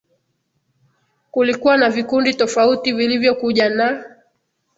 kulikuwa na vikundi tofauti vilivyokuja naa